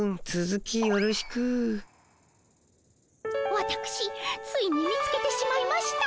わたくしついに見つけてしまいました。